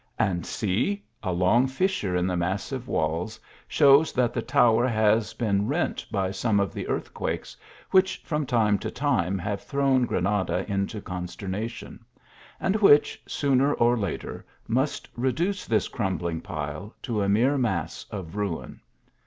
And see, a long fissure in the massive walls shows that the tower has been rent by some of the earthquakes, which from time to time have thrown Granada into consternation ; and which, sooner or later, must re duce this crumbling pile to a mere mass of ruin.